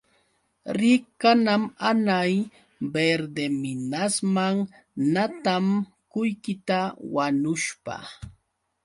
Riq kanan hanay Verdeminasman natam qullqita wanushpa.